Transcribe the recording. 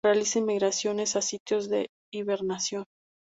Realiza migraciones a sitios de hibernación.